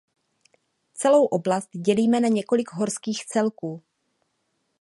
Celou oblast dělíme na několik horských celků.